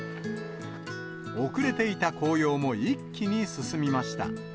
遅れていた紅葉も一気に進みました。